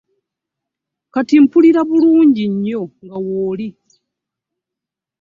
Kati mpulira bulungi nnyo nga wooli.